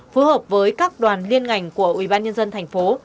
phù hợp với các đoàn liên ngành của ubnd thành phố